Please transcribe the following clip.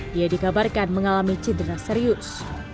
dia dikabarkan mengalami cedera serius